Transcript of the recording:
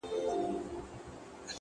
دا شی په گلونو کي راونغاړه!